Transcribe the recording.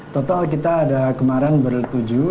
total kita ada kemarin bertujuh